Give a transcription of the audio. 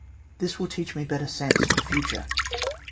This will teach me better sense for the future.